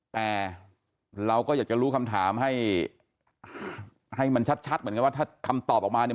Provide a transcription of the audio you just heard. แต่เราก็อยากจะรู้คำถามให้มันชัดเหมือนกันว่าถ้าคำตอบออกมาเนี่ย